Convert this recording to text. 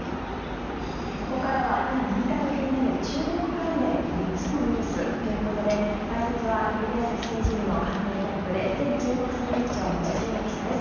ここからは今、何かと気になる中国関連３つのニュースということで解説は、テレビ朝日政治部の官邸キャップで前中国総局長の千々岩記者です。